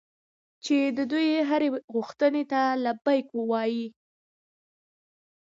چې د دوی هرې غوښتنې ته لبیک ووایي.